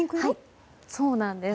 そうなんです。